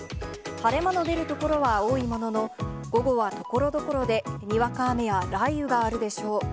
晴れ間の出る所は多いものの、午後はところどころでにわか雨や雷雨があるでしょう。